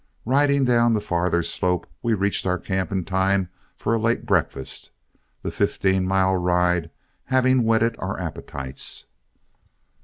Riding down the farther slope, we reached our camp in time for a late breakfast, the fifteen mile ride having whetted our appetites.